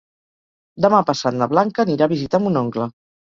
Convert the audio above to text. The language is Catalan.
Demà passat na Blanca anirà a visitar mon oncle.